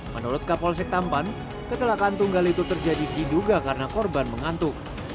menurut kapolsek tampan kecelakaan tunggal itu terjadi diduga karena korban mengantuk